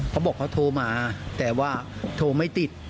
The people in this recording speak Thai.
เขาบอกเขาโทรมาแต่ว่าโทรไม่ติด